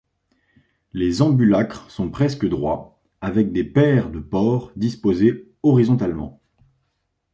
Les ambulacres sont presque droits, avec des paires de pores disposées horizontalement.